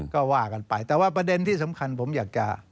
ก็ว่ากันไปแต่ว่าประเด็นที่สำคัญผมอยากจะ